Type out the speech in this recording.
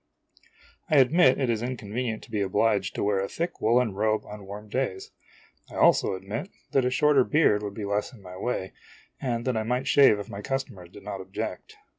I admit it is inconvenient to be obliged to wear a thick woolen O robe on warm days. I also admit that a shorter beard would be THE ASTROLOGER'S NIECE 85 less in my way, and that I might shave if my customers did not object.